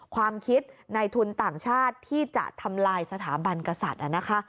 ความคิดในทุนต่างชาติที่จะทำลายสถาบันกษัตริย์นะคะ